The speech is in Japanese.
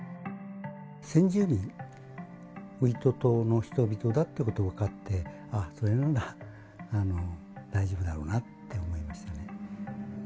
先住民、ウイトトの人々だってことが分かって、あっ、それなら大丈夫だろうなって思いましたね。